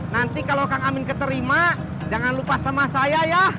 nanti kalau kang amin keterima jangan lupa sama saya ya